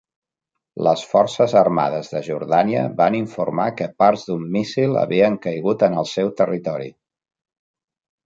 Les forces armades de Jordània van informar que parts d'un míssil havien caigut en el seu territori.